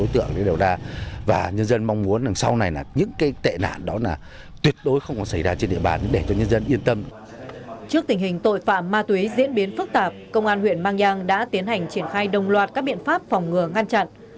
trước tình hình tội phạm ma túy diễn biến phức tạp công an huyện mang giang đã tiến hành triển khai đồng loạt các biện pháp phòng ngừa ngăn chặn